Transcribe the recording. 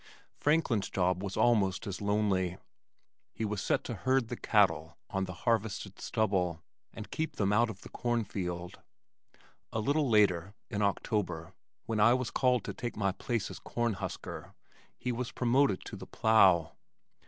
Franklin's job was almost as lonely. He was set to herd the cattle on the harvested stubble and keep them out of the corn field. A little later, in October, when I was called to take my place as corn husker, he was promoted to the plow.